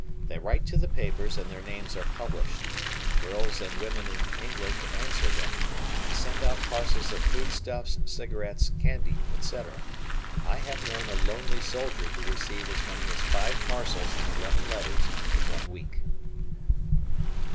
They write to the papers and their names are published. Girls and women in England answer them, and send out parcels of foodstuffs, cigarettes, candy, etc. I have known a "lonely" soldier to receive as many as five parcels and eleven letters in one week.